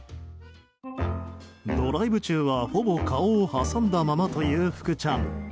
ドライブ中はほぼ顔を挟んだままというフクちゃん。